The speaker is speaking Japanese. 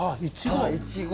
イチゴ